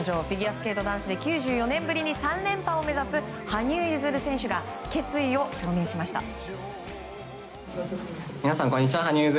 フィギュアスケート男子で９４年ぶりに３連覇を目指す羽生結弦選手が決意を表明しました。